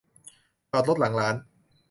จอดรถหลังร้าน